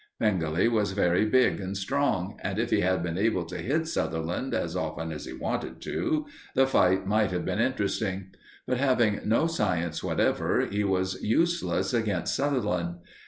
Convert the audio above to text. Pengelly was very big and strong, and if he had been able to hit Sutherland as often as he wanted to, the fight might have been interesting, but, having no science whatever, he was useless against Sutherland.